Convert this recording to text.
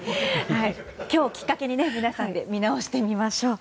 今日をきっかけに皆さんで見直してみましょう。